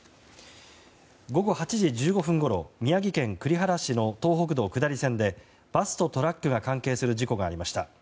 午後８時１５分ごろ宮城県栗原市の東北道下り線でバスとトラックが関係する事故がありました。